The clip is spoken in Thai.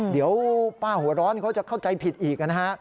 เดี๋ยวป้าหัวร้อนเขาจะเข้าใจผิดอีกนะฮะ